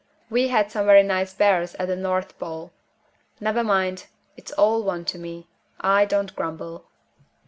We had some very nice bears at the North Pole. Never mind! it's all one to me I don't grumble."